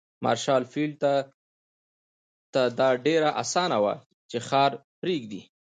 مارشال فيلډ ته دا ډېره اسانه وه چې ښار پرېږدي.